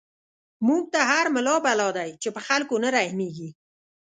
موږ ته هر ملا بلا دی، چی په خلکو نه رحميږی